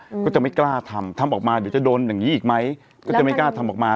ก็จะไม่กล้าทำทำออกมาเดี๋ยวจะโดนอย่างงี้อีกไหมก็จะไม่กล้าทำออกมา